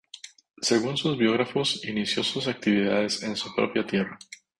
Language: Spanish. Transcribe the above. Según sus biógrafos, inició sus actividades en su propia tierra.